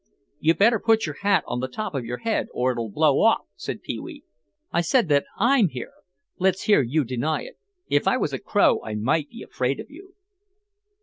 "You'd better put your hat on the top of your head or it'll blow off," said Pee wee. "I said that I'm here. Let's hear you deny it. If I was a crow I might be afraid of you."